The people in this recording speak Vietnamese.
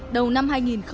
đầu năm hai nghìn hai mươi